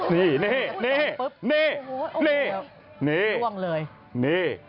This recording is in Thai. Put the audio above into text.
นี่นี่นี่